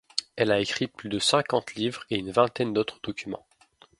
Elle a écrit plus de cinquante livres et une vingtaine d'autres documents.